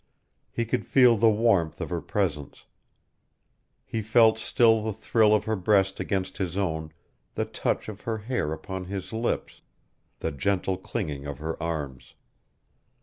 He could feel the warmth of her presence. He felt still the thrill of her breast against his own, the touch of her hair upon his lips, the gentle clinging of her arms.